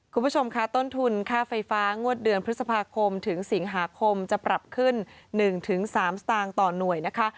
คุณผู้ชมค่ะต้นทุนค่าไฟฟ้างวดเดือนพฤษภาคมถึงสิงหาคมจะปรับขึ้น๑๓สตางค์ต่อหน่วยนะคะ